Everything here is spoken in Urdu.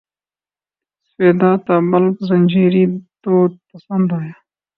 سویدا تا بلب زنجیری دود سپند آیا